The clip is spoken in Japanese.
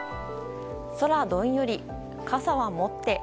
空どんより、傘は持って。